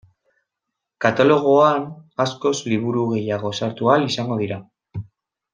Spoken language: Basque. Katalogoan askoz liburu gehiago sartu ahal izango dira.